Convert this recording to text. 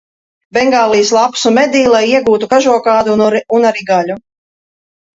Bengālijas lapsu medī, lai iegūtu kažokādu un arī gaļu.